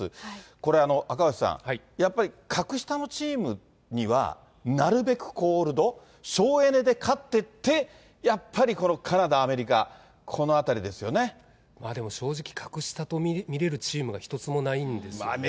これ、赤星さん、やっぱり格下のチームには、なるべくコールド、省エネで勝ってって、やっぱりこのカナダ、アメリカ、このあたりまあでも、正直格下と見れるチームが１つもないんですよね。